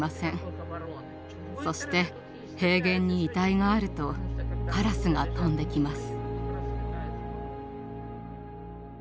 そして平原に遺体があるとカラスが飛んできます。